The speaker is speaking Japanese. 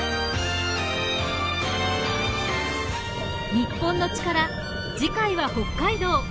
『日本のチカラ』次回は北海道。